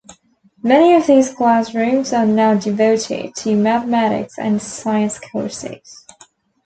Many of these classrooms are now devoted to mathematics and science courses.